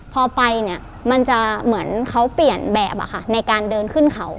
พอไปเนี่ยมันจะเหมือนเขาเปลี่ยนแบบในการเดินขึ้นเขา